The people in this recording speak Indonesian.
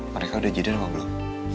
mereka udah jadi apa belum